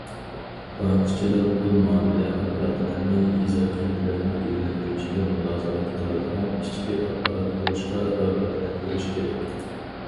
بانكىچىلىق پۇل مۇئامىلە ئاپپاراتلىرىنى يېزا- كەنتلەرنى گۈللەندۈرۈشكە مۇلازىمەت قىلىدىغان ئىچكى ئاپپارات قۇرۇشقا رىغبەتلەندۈرۈش كېرەك.